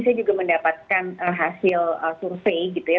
saya juga mendapatkan hasil survei gitu ya